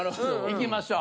行きましょう。